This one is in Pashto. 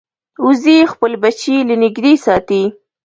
وزې خپل بچي له نږدې ساتي